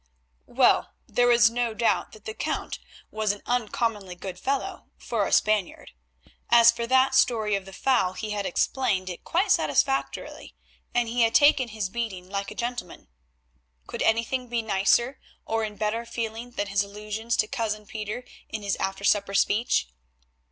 Well, there was no doubt that the Count was an uncommonly good fellow—for a Spaniard. As for that story of the foul he had explained it quite satisfactorily, and he had taken his beating like a gentleman. Could anything be nicer or in better feeling than his allusions to Cousin Pieter in his after supper speech?